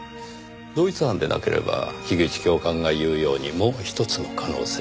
同一犯でなければ樋口教官が言うようにもう一つの可能性。